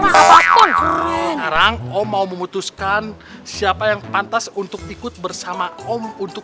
mau haji apa pun keren sekarang om mau memutuskan siapa yang pantas untuk ikut bersama om untuk